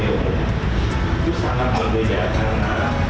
itu sangat berbeda karena